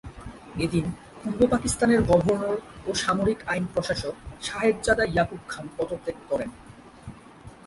এদিন পূর্ব পাকিস্তানের গভর্নর ও সামরিক আইন প্রশাসক সাহেবজাদা ইয়াকুব খান পদত্যাগ করেন।